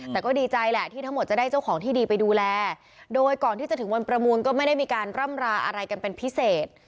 แต่ก็ดีใจแหละที่ทั้งหมดจะได้เจ้าของที่ดีไปดูแลโดยก่อนที่จะถึงวันประมูลก็ไม่ได้มีการร่ำราอะไรกันเป็นพิเศษ